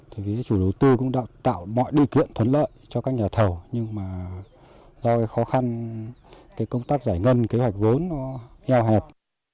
thì chủ đầu tư cũng đã tạo mọi địa kiện thuận lợi cho các nhà thầu nhưng mà do khó khăn công tác giải ngân kế hoạch vốn nó heo hẹp